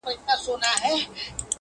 پر هر میدان دي بری په شور دی -